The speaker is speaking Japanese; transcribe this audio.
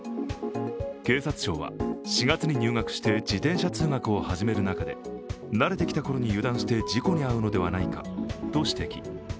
警察庁は４月に入学して自転車通学を始める中で慣れてきたころに油断して事故に遭うのではないかと指摘。